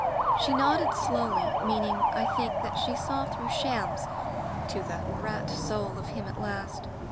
"She nodded slowly; meaning, I think, that she saw through shams to the rat soul of him at last.